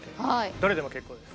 どれでも結構です。